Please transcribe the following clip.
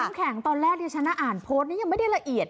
คุณอุ๊งแข็งตอนแรกเดียวฉันอ่านโพสต์นี้ยังไม่ได้ละเอียด